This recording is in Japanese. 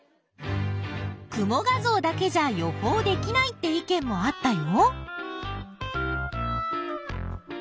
雲画像だけじゃ予報できないって意見もあったよ。